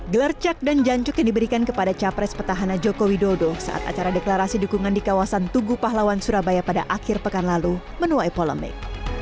gelar cak dan jancuk yang diberikan kepada capres petahana joko widodo saat acara deklarasi dukungan di kawasan tugu pahlawan surabaya pada akhir pekan lalu menuai polemik